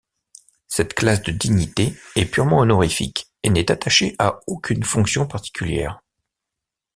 Cette classe de dignités est purement honorifique et n'est attachée à aucune fonction particulière.